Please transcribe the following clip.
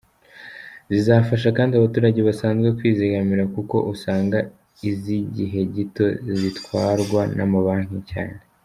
Zizafasha kandi abaturage basanzwe kwizigamira kuko usanga iz’igihe gito zitwarwa n’amabanki cyane.